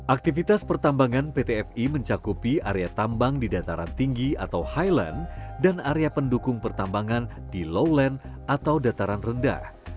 aktivitas pertambangan pt fi mencakupi area tambang di dataran tinggi atau highland dan area pendukung pertambangan di low land atau dataran rendah